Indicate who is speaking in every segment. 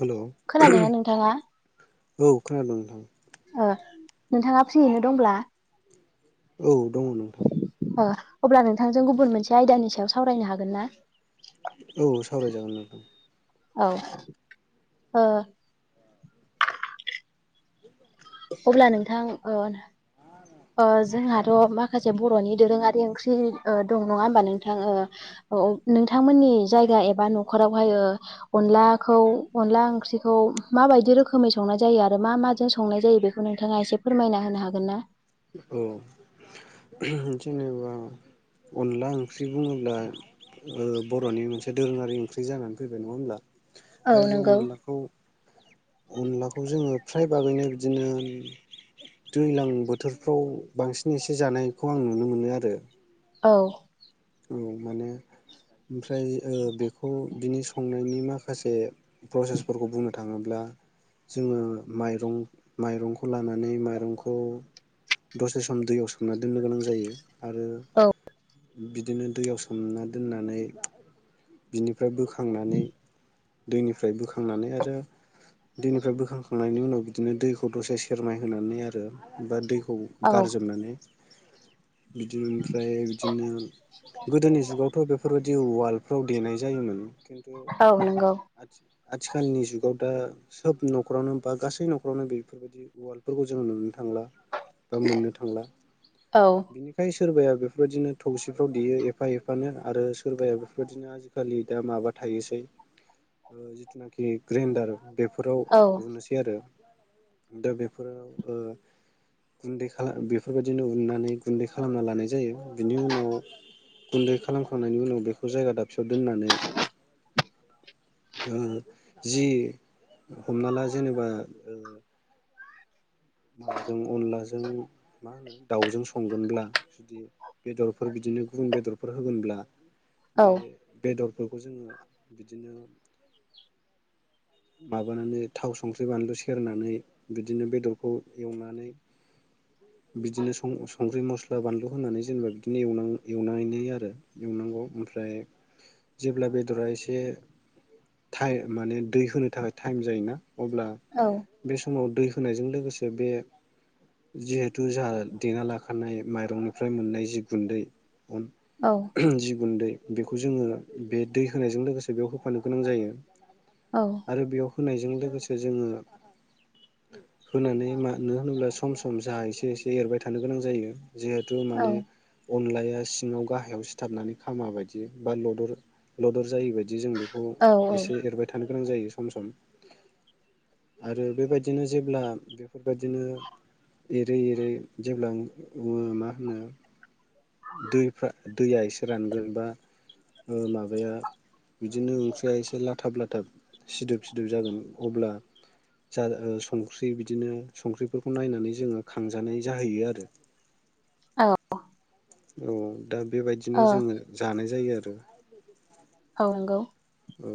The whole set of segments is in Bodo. Speaker 1: हेलौ
Speaker 2: खोनादोंना नोंथांङा?
Speaker 1: औ खोनादों नोंथां।
Speaker 2: ओ नोंथाङा फ्रियैनो दंब्ला
Speaker 1: औ दंङ नोंथां
Speaker 2: ओ अब्ला नोंथांजों गुबुन मोनसे आयदानि सायाव सावरायनो हागोन ना
Speaker 1: औ सावरायजागोन नोंथां
Speaker 2: औ ओ
Speaker 1: [inaudible]
Speaker 2: अब्ला नोंथां ओ ओ जोंहाथ' माखासे बर'नि दोरोङारि ओंख्रि ओ दं नङा होमबा नोंथां ओ औ नोंथांमोननि जायगा एबा न'खरावहाय ओ अनलाखौ अनला ओंख्रिखौ माबायदि रोखोमै संनाय जायो आरो मा माजों संनाय जायो बेखौ नोंथांङा एसे फोरमायना होनो हागोन ना
Speaker 1: औ जेनेबा अनला ओंख्रि बुंङोब्ला ओ बर'नि मोनसे दोरोङारि ओंख्रि जानानै फैबाय नङा होमब्ला
Speaker 2: औ
Speaker 1: दा बे
Speaker 2: नंगौ
Speaker 1: अनलाखौ अनलाखौ जोंङो फ्राय बागैनो बिदिनो दैलां बोथोरफ्राव बांसिन एसे जानायखौ आं नुनो मोनो आरो
Speaker 2: औ
Speaker 1: औ माने ओमफ्राय ओ बेखौ बिनि संनायनि माखासे प्रसेसफोरखौ बुंनो थाङोब्ला जोंङो माइरं माइरंखौ लानानै माइरंखौ दसे सम दैयाव सोमना दोननो गोनां जायो आरो
Speaker 2: औ
Speaker 1: बिदिनो दैयाव सोमना दोननानै बिनिफ्राय बोखांनानै दैनिफ्राय बोखांनानै आरो दैनिफ्राय बोखांखांनायनि उनाव बिदिनो दैखौ दसे सेरमाइ होनानै आरो बा दै खौ
Speaker 2: औ
Speaker 1: गारजोबनानै बिदिनो ओमफ्राय बिदिनो गोदोनि जुगावथ' बेफोरबायदि उवा वालफ्राव देनाय जायोमोन खिन्थु
Speaker 2: औ नंगौ
Speaker 1: आदि आथिखालनि जुगाव दा सोब न'खरावनो बा गासै न'खरावनो बेफोरबायदि उवालफोरखौ जोंङो नुनो थांला। बा मोननो थांला
Speaker 2: औ
Speaker 1: बिनिखाय सोरबाया बेफोरबायदिनो थौसि फ्राव देयो एफा एफानो आरो सोरबाया बेफोरबायदिनो आजिखालि दा माबा थायोसै ओ जिथुनाखि ग्रेन्डार बेफोराव
Speaker 2: औ
Speaker 1: उनोसै आरो दा बेफोराव ओ गुन्दै खाला बेफोरबायदिनो उननानै गुन्दै खालामना लानाय जायो बिनि उनाव गुन्दै खालामखांनायनि उनाव बेखौ जायगा दाबसेयाव दोननानै ओ जि हमना ला जेनेबा ओ माबाजों अनलाजों मा होनो दाउजों संगोनब्ला जुदि बेदरफोर बिदिनो गुं बेदरफोर होगोनब्ला
Speaker 2: औ
Speaker 1: बे बेदर बेफोरखौ जोंङो बिदिनो माबानानै थाव संख्रि बानलु सेरनानै बिदिनो बेदरखौ एवनानै बिदिनों संख्रि मस्ला बानलु होनानै जेनेबा बिदिनो एवनां एवनानै आरो एवनांगौ ओमफ्राय जेब्ला बेदरा एसे टाइ माने दै होनो थाखाय टाइम जायोना अब्ला बे समाव दै होनायजों लोगोसे बे जिहेथु जाहा देना लाखानाय माइरंनिफ्राय मोननाय जि गुन्दै अन
Speaker 2: औ
Speaker 1: जि गुन्दै बेखौ जोंङो बे दै होनायजों लोगोसे बेयाव होफानो गोनां जायो।
Speaker 2: औ
Speaker 1: आरो बेयाव होनायजों लोगोसे जोंङो होनानै मानोनो होनोब्ला सम सम जाहा एसे एसे एरबाय थानो गोनां जायो। जिहेथु
Speaker 2: औ
Speaker 1: माने अनलाया सिङाव गाहायाव सिथाबनानै खामा बायदि बा लदर लदर जायि बायदि बिदि जों बेखौ
Speaker 2: औ
Speaker 1: एसे एरबाय थानो गोनां जायो सम-सम आरो बेबायदिनो जेब्ला बेफोरबायदिनो एरै-एरै जेब्ला ओ मा होनो दैफ्रा दैया एसे रानगोन बा ओ माबाया बिदिनो ओंख्रिया एसे लाथाब-लाथाब, सिदोब-सिदोब जागोन अब्ला जा ओ संख्रि बिदिनो संख्रिफोरखौ नायनानै जोङो खांजानाय जाहैयो आरो।
Speaker 2: औ
Speaker 1: औ दा
Speaker 2: औ
Speaker 1: बेबायदिनो जोङो जानाय जायो आरो।
Speaker 2: नोंगौ।
Speaker 1: औ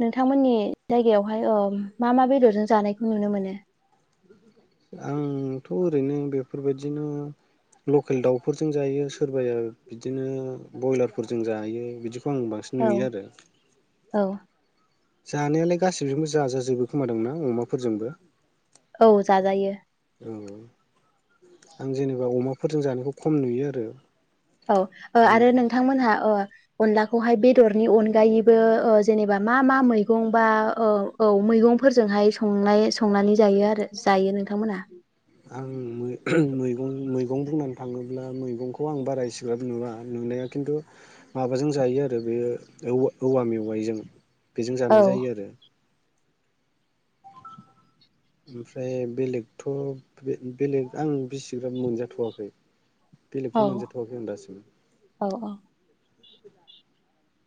Speaker 2: नोंथांमोननि जायगायावहाय ओम मा मा बेदरजों जानायखौ नुनो मोनो?
Speaker 1: आंथ' ओरैनो बेफोरबायदिनो लकेल दाउफोरजों जायो सोरबाया बिदिनो बयलारफोरजों जायो बिदि खौ आं बांसिन
Speaker 2: औ
Speaker 1: नुयो आरो।
Speaker 2: औ
Speaker 1: जानायालाय गासैजोंबो जाजाजोबो खोमादांना अमाफोरजोंबो?
Speaker 2: औ, जाजायो।
Speaker 1: औ, आं जेनेबा अमाफोरजों जानायखौ खम नुयो आरो।
Speaker 2: औ ओ
Speaker 1: औ
Speaker 2: आरो नोंथांमोनहा ओ अनलाखौहाय बेदरनि अनगायैबो ओ जेनेबा मा मा मैगं बा ओ औ मैगंफोरजोंहाय संनाय संनानै जायो आरो जायो नोंथांमोनहा?
Speaker 1: आं मैगं-मैगं बुंनानै थाङोब्ला मैगंखौ आं बारा इसिग्राब नुवा नुनाया खिन्थु माबाजों जायो आरो बेयो औ-औवा मेवाइजों बेजों
Speaker 2: औ
Speaker 1: जानाय जायो आरो। ओमफ्राय बेलेगथ' बेलेग आं बिसिग्राब मोनजाथ'वाखै। बेलेगखौ
Speaker 2: औ
Speaker 1: मोनजाथ'वाखै आं दासिम।
Speaker 2: औ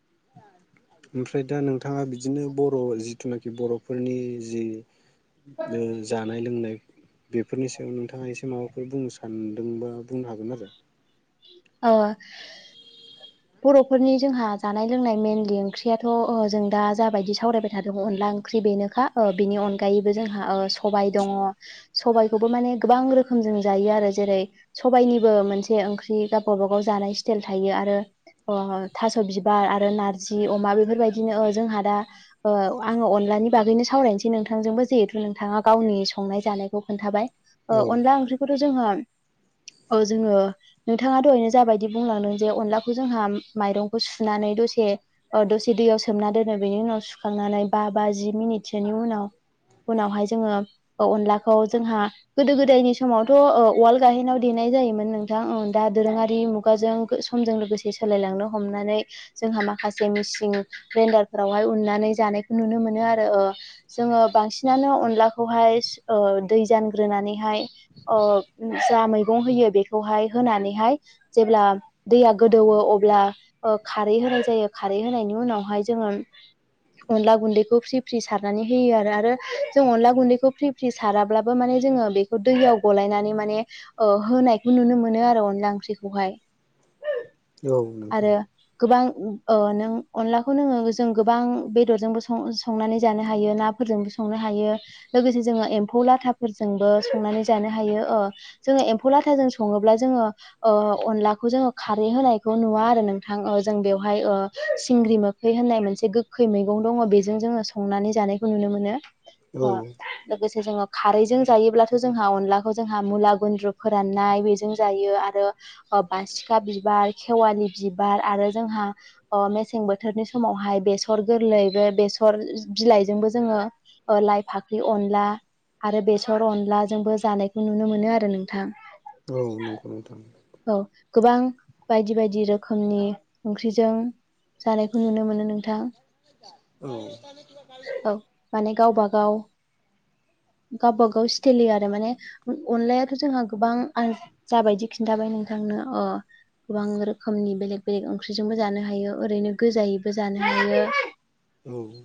Speaker 2: [inaudible]
Speaker 1: ओमफ्राय दा नोंथाङा बिदिनो बर' जिथुनाखि बर'फोरनि जि जानाय लोंनाय बेफोरनि सायाव नोंथाङा एसे माबाफोर बुंनो सानदोंबा बुंनो हागोन आरो।
Speaker 2: ओ बर'फोरनि जोंहा जानाय-लोंनाय मेनलि ओंख्रियाथ' ओ जों दा जाबायदि सावरायबाय थादों अनला ओंख्रि बेनोखा बिनि अनगायैबो जोंहा ओ सबाय दङ सबायखौबो माने गोबां रोखो मजों जायो आरो जेरै सबायनिबो मोनसे ओंख्रि गावबा गावबा जानाय स्टाइल थायो आरो। अ थास' बिबार आरो नारजि अमा बेफोरबायदिनो ओ जोंहा दा ओ आङो अ नलानि बागैनो सावरायनोसै नोंथांजोंबो जिहेथु नोंथाङा गावनि संनाय जानायखौ खोन्थाबाय।
Speaker 1: औ
Speaker 2: ओ अनला आंख्रिखौथ' जोङो ओ जोङो नोंथाङा दहायनो जाबायदि बुंलांदों जे अनला खौ जोंहा माइरंखौ सुनानै दसे ओ दसे दैयाव सोमना दोनो बेनि उनाव सुखांनानै बा जि मिनिटसोनि उनाव हाय जोङो अनलाखौ जोंहा गोदो गोदायनि समावथ' ओ उवाल गाहेनाव देनाय जायोमोन नोंथां ओ दा दोरोङारि मुगाजों लोगोसे सोलायलांनो हमनानै जोंहा माखासे मिसिं ग्रेन्डारफोरावहाय उननानै जानायखौ नुनो मोनो आरो ओ जोङो बांसिनानो अनलाखौहाय ओ दै जानग्रोनानैहाय ओ जा मैगं होयो बेखौहाय होनानैहाय जेब्ला दैया गोदौवो अब्ला ओ खारै होनाय जायो खारै होनायनि उनावहाय जोङो अनला गुन्दैखौ फ्रि फ्रि सारनानै होयो आरो आरो जों अनला गुन्दैखौ फ्रि फ्रि साराब्लाबो माने जोङो बेखौ दैयाव गलायनानै माने होनायखौ नुनो मोनो आरो अनला ओंख्रिखौहाय। [inaudible]
Speaker 1: औ नोंथां।
Speaker 2: अ नों अनलाखौ नोङो जों गोबां बेदरजोंबो सं- संनानै जानो हायो नाफोरजोंबो संनो हायो। लोगोसे जों एम्फौ लाथा फोरजों बो संनानै जानो हायो ओ जोङो एम्फौ ला थां जों संङोब्ला जोङो ओ अनलाखौ जोङो खारै होनायखौ नुवा आरो नोंथां। ओ जों बेवहाय ओ सिंग्रि मोखै होननाय मोनसे गोखै मैगं। दङ बेजों जोङो संनानै जानायखौ नुनो मोनो।
Speaker 1: औ।
Speaker 2: ओ लोगोसे जोङो खारैजों जायोब्लाथ' जोंहा अनलाखौ जोंहा मुला गुन्द्रु फोराननाय बेजों जायो आरो। ओ बासि खा बिबार खेवालि बिबार आरो जोंहा ओ मेसें बोथोरनि समावहाय बेसर गोरलै बे बेसर बिलाइजोंबो जोङो लाइ फाख्रि अनला आरो बेसर अनलाजोंबो जानायखौ नुनो मोनो आरो नोंथां।
Speaker 1: औ नंगौ नोंथां
Speaker 2: औ गोबां बायदि बायदि रोखोमनि ओंख्रिजों जानायखौ नुनो मोनो नोंथां।
Speaker 1: औ
Speaker 2: औ माने गावबा गाव गावबा गाव सथेलयै आरो माने अनलायाथ' जोंहा गोबां जाबायदि खिन्थाबाय नोंथांनो अ गोबां रोखोमनि बेलेग बेलेग ओंख्रिजोंबो जानो हायो ओरैनो गोजायैबो जानो हायो
Speaker 1: औ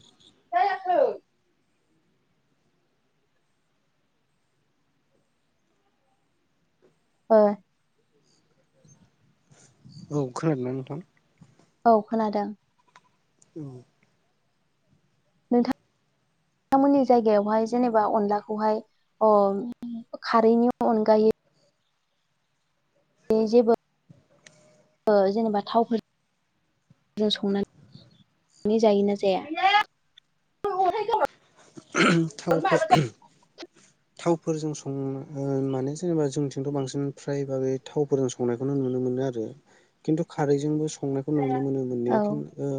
Speaker 2: ओ
Speaker 1: औ खोनादोंना नोंथां?
Speaker 2: औ खोनादों।
Speaker 1: औ
Speaker 2: नोंथां नोंथांमोननि जायगायावहाय जेनेबा अनलाखौहाय ओ खारैनि अनगायै बे जेबो जेनेबा थावफोर जों संनानै संनाय जायोना जाया?
Speaker 1: [unintelligible] थावबो। थावफोरजों सं माने जेनेबा जोंथिंथ' बांसिन फ्राय बागै थावफोरजों संनायखौ नुनो मोनो। आरो खिन्थु खारैजोंबो संनायखौ नुनो मोनो
Speaker 2: औ
Speaker 1: मोननाया खिन्थु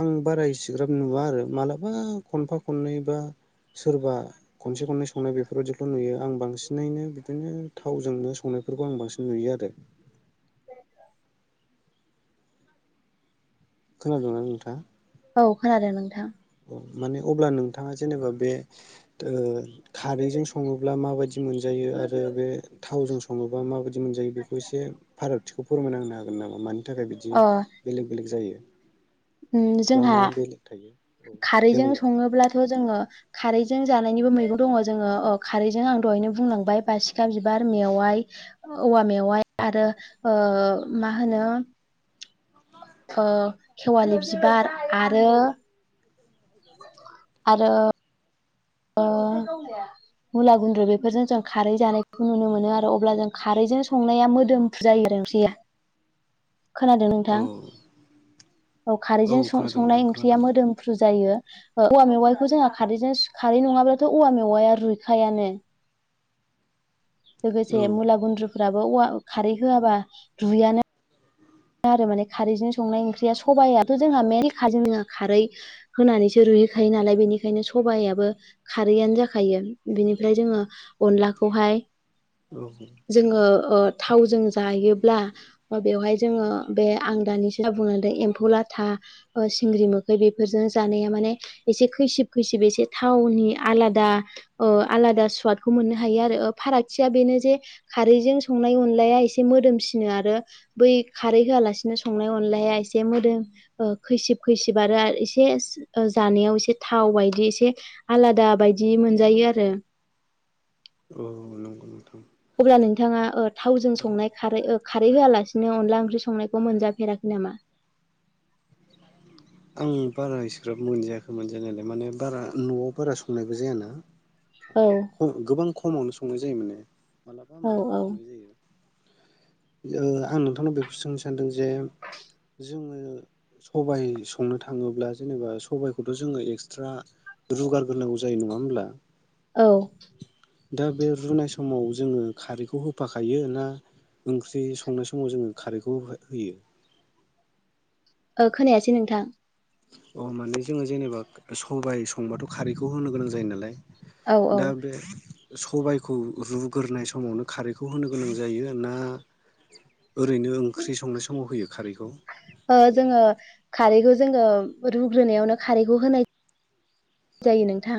Speaker 1: आंङो बारा एसेग्राब नुवा आरो मालाबा खनफा खननै बा। सोरबा खनसे खननै संनाय बेफोरबायाददिखौल' नुयो आं बांसिनैनो बिदिनो थावजोंनो संनाय बेफोरखौ आं बांसिन नुयो आरो।
Speaker 2: [inaudible]
Speaker 1: खोनादोंना नोंथाङा?
Speaker 2: औ खोनादों नोंथां
Speaker 1: औ माने अब्ला नोंथाङा जेनेबा बे ओ खारैजों सङोब्ला माब बायदि मोनजायो आरो बे थावजों सङोबा माबायदि मोनजायो बेखौ एसे फाराग बिथिखौ फोरमायना होनो हागोन नामा? मानि थाखाय बिदि बेलेग बेलेग जायो
Speaker 2: ओ
Speaker 1: बा
Speaker 2: जोंहा
Speaker 1: मा बेलेग थायो औ दे
Speaker 2: खारैजों
Speaker 1: बुंलाय
Speaker 2: सङोब्लाथ' जोङो खारैजों जानायनिबो मैगं दङ जोङो अ खारैजों आं दहायनो बुंलांबाय बासिखा बिबार मेवाइ औवा मेवाइ आरो ओ मा होनो ओ खेवालि बिबार आरो आरो ओ मुला गुन्द्रु बेफोरजों जों खारै जानायखौ नुनो मोनो आरो अब्ला जों खारैजों संनाया मोदोम फ्रु जायो आरो ओंख्रै या खोनादों
Speaker 1: औ
Speaker 2: नोंथां। औ खारैजों
Speaker 1: खोनादों नोंथां
Speaker 2: संनाय
Speaker 1: खोनादों
Speaker 2: ओंख्रिया मोदोमफ्रु जायो ओ औवा मेवाइखौ जोंहा खारैजों खारै नङाब्लाथ' औवा मेवाया रुइखायानो
Speaker 1: औ
Speaker 2: लोगोसे मुला गुन्द्रुफोराबो औवा खारै होआबा रुयानो। आरो माने खारैजों संनाय ओंख्रिया सबायाथ' जोंहा मेनलि खारै जोंहा खारै होनानैसो रो दुगैखायो नालाय बेनिखायनो सबायाइाबो खारैआनो जाखायो बिनिफ्राय जोङो अनलाखौहाय
Speaker 1: औ।
Speaker 2: जोङो थावजों जायोब्ला बेवहाय जोङो बे आं दानिसो जा बुंलांदों एम्फौ लाथा सिंग्रि मोखै बेफोरजों जानाया माने एसे खैसिब खैसिब एसे थावनि आलादा आलादा सुवादखौ मोननो हायो आरो फारागथिया बेनो जे खारैजों संनाय अनलाया एसे मोदोमसिनो आरो बै खारै होआलासिनो संनाय अनलाया एसे मोदोम खैसिब खैसिब आरो एसे जानायाव एसे थाव बायदि एसे आलादा बायदि मोनजायो आरो
Speaker 1: औ नंगौ नोंथां
Speaker 2: अब्ला नोंथाङा थावजों संनाय खारै खारै होआलासिनो अनला ओंख्रि संनायखौ मोनजाफेराखै नामा
Speaker 1: आं बारा एसेग्राब मोनजायाखै मोनजानायालाय माने बारा न'आव बारा संनायबो जायाना
Speaker 2: औ
Speaker 1: खालि गोबां खमावनो संनाय जायो माने मालाबा
Speaker 2: औ
Speaker 1: मालाब'
Speaker 2: औ
Speaker 1: संनाय जायो आं नोंथांनाव बेखौ सोंनो सानदों जे जोङो सबाय संनो थाङोब्ला जेनेबा सबायखौथ' जोङो एक्सट्रा रूगारग्रोनांगौ जायो नङा होमब्ला
Speaker 2: औ
Speaker 1: दा बे रुनाय समाव जोङो खारैखौ होफाखायो ना ओंख्रि संनाय समाव जोङो खारैखौ होयो।
Speaker 2: खोनायासै नोंथां
Speaker 1: अ माने जोङो जेनेबा सबाय संबाथ' खारैखौ होनो गोनां जायो नालाय
Speaker 2: औ औ
Speaker 1: दा बे सबायखौ रुग्रोनाय समावनो खारैखौ होनो गोनां जायो ना। ओरैनो ओंख्रि संनाय समाव होयो खारैखौ।
Speaker 2: ओ जोङो खारैखौ जोङो रुग्रोनायावनो खारैखौ होनाय जायो नोंथां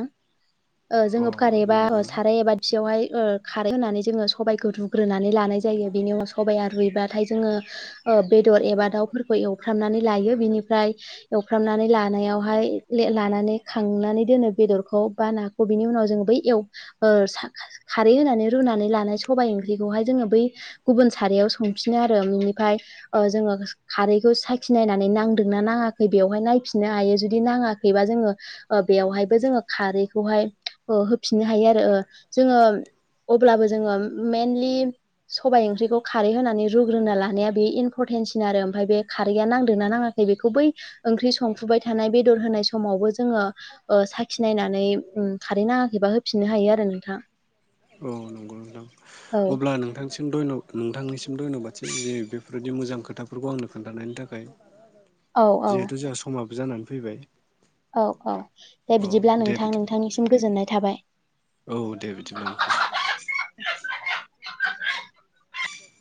Speaker 2: ओ
Speaker 1: अ
Speaker 2: जोङो कुकार एबा
Speaker 1: नंगौ
Speaker 2: साराय एबा थुसियावहाय ओ खारै होनानै जोङो सबायखौ रुग्रोनानै लानाय जायो बेनि उनाव सबाया रुइबा नाथाय जोङो ओ बेदर एबा दाउफोरखौ एवफ्रामनानै लायो बिनि ओमफ्राय एवफ्रामनानै लानायावहाय ले-लानानै खांनानै दोनो बेदरखौ बा नाखौ बिनि उनाव जों बै एव ओ खारै होनानै रुना नै लानाय सबाय ओंख्रिखौहाय जोङो बै गुबुन सारायाव संफिनो आरो बिनिफाय ओ जोङो खारैखौ साखि नायनानै नांदोंना नाङाखै बेवहाय नायफिननो हायो जुदि नाङाखैबा जोङो ओ बेयावहायबो जोङो खारैखौहाय ओ होफिननो हायो आरो ओ जोङो अब्लाबो जोङो मेनलि सबाय ओंख्रिखौ खारै होनानै रुग्रोना लानाया बे इम्परटेन्टसिन आरो ओमफाय बे खारैया नांदोंना नाङा बेखौ बै ओंख्रि संफुबाय थानाय बेदर होनाय समावबो जोङो ओ साखि नायनानै उम खारै नाङाखैबा होफिननो हायो आरो नोंथां।
Speaker 1: औ नंगौ नोंथां
Speaker 2: औ
Speaker 1: अब्ला नोंथांसिम धय्न' नोंथांनिसिम धय्न'बादसै बेफोरबायदि मोजां खोथाफोरखौ आंनो खोनथानायनि थाखाय।
Speaker 2: औ औ
Speaker 1: जिहेथु जोंहा समाबो जानानै फैबाय
Speaker 2: औ औ दे
Speaker 1: अ
Speaker 2: बिदिब्ला
Speaker 1: दे
Speaker 2: नोंथां
Speaker 1: बिदिब्ला
Speaker 2: नोंथांनिसिम गोजोननाय थाबाय।
Speaker 1: औ दे बिदिब्ला नोंथां।